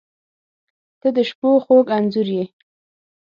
• ته د شپو خوږ انځور یې.